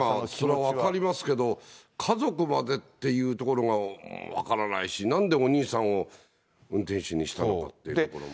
それは分かりますけど、家族までっていうところが分からないし、なんでお兄さんを運転手にしたのかっていうところも。